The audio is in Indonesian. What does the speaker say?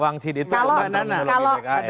wangsit itu kemanahan dulu pks